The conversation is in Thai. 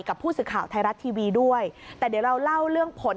กับผู้สื่อข่าวไทยรัฐทีวีด้วยแต่เดี๋ยวเราเล่าเรื่องผล